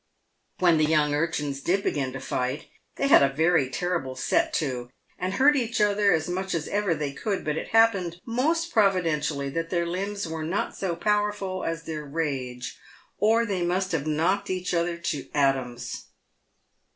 When the young urchins did begin to fight, they had a very terri ble set to, and hurt each other as much as ever they could, but it happened most providentially that their limbs were not so powerful as tbeir rage, or they must have knocked each other to atoms.